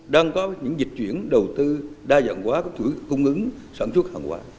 đang có những dịch chuyển đầu tư đa dạng hóa của chuỗi công ứng sản xuất hàng hóa